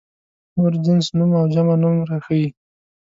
نور جنس نوم او جمع نوم راښيي.